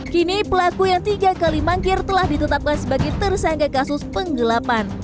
kini pelaku yang tiga kali mangkir telah ditetapkan sebagai tersangka kasus penggelapan